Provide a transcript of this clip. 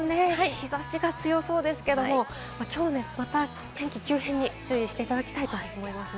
日差しが強そうですけれども、きょうはまた天気急変に注意していただきたいと思います。